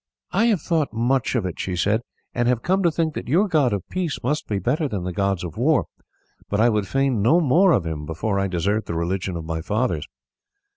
"I have thought much of it," she said, "and have come to think that your God of peace must be better than the gods of war; but I would fain know more of Him before I desert the religion of my fathers."